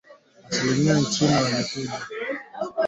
asilimia mbilinchini Rwanda tatu